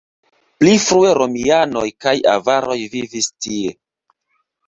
Pli frue romianoj kaj avaroj vivis tie.